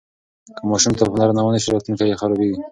که ماشوم ته پاملرنه ونه سي راتلونکی یې خرابیږي.